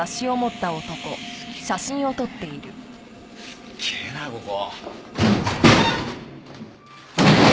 すっげえなここ。